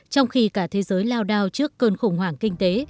trong khi cả thế giới lao đao trước cơn khủng hoảng kinh tế